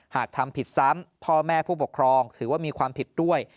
หากทำผิดซ้ำพ่อแม่ผู้ปกครองถือว่ามีความผิดด้วย